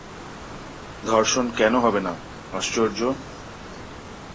ধর্ষণ কেন হবে না? আশ্চর্য!’